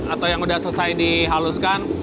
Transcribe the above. atau yang sudah selesai dihaluskan